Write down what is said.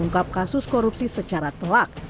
ott bisa ungkap kasus korupsi secara telak